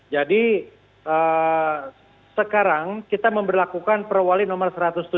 jadi sekarang kita memperlakukan perwali nomor satu ratus tujuh